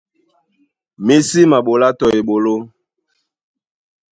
Mí sí maɓolá tɔ eɓoló.